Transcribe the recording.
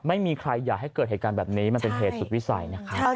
ไม่มีใครอยากให้เกิดเหตุการณ์แบบนี้มันเป็นเหตุสุดวิสัยนะครับ